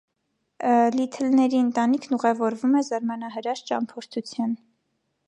Լիթլների ընտանիքն ուղևորվում է զարմանահրաշ ճամփորդության։